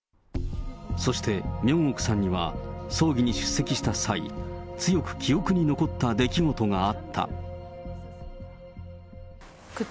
そしてミョンオクさんには、葬儀に出席した際、強く記憶に残った出来事があった。